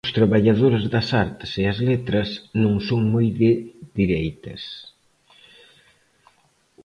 Os traballadores das artes e as letras non son moi de dereitas.